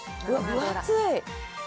分厚い。